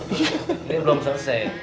ini belum selesai